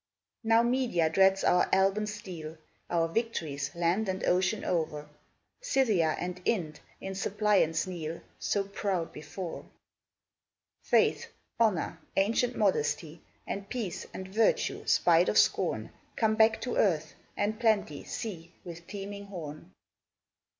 Now Media dreads our Alban steel, Our victories land and ocean o'er; Scythia and Ind in suppliance kneel, So proud before. Faith, Honour, ancient Modesty, And Peace, and Virtue, spite of scorn, Come back to earth; and Plenty, see, With teeming horn.